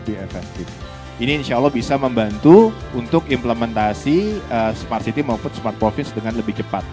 ini insyaallah bisa membantu untuk implementasi smart city maupun smart province dengan lebih cepat